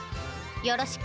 よろしく。